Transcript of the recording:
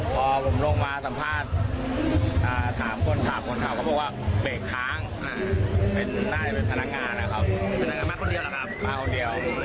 บิ๊บมาถึงตรงนั้นก็ไล่ทนทนทนแล้ว